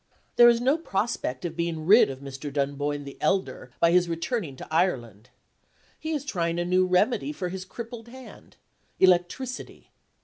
There is no prospect of being rid of Mr. Dunboyne the elder by his returning to Ireland. He is trying a new remedy for his crippled hand electricity.